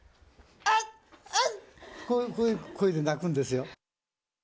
こういう声で鳴くんですよ。